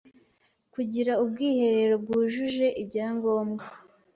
kugira ubwiherero bwujuje ibyangombwa